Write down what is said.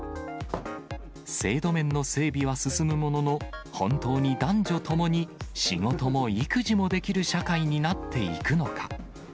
制度面の整備は進むものの、本当に男女ともに仕事も育児もできる社会になっていくのか。